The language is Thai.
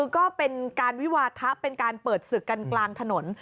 ก็เป็นการวิวาทะเป็นการเปิดศึกกันกลางถนน